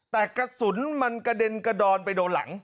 แต่กระสุนมันกระเด็นกระดอนไปโดนหลัง